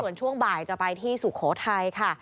ส่วนช่วงบ่ายจะไปที่สุโขทัยค่ะ